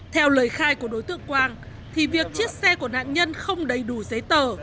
theo lời khai của đối tượng quang thì việc chiếc xe của nạn nhân không đầy đủ giấy tờ